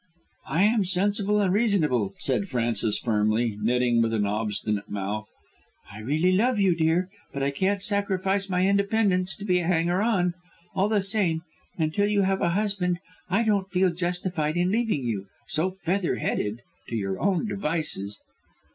"I am sensible and reasonable," said Frances firmly, knitting with an obstinate mouth. "I really love you, dear, but I can't sacrifice my independence to be a hanger on. All the same, until you have a husband I don't feel justified in leaving you, so feather headed, to your own devices."